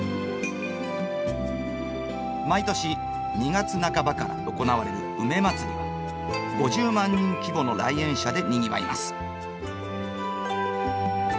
毎年２月半ばから行われる梅まつりは５０万人規模の来園者でにぎわいます。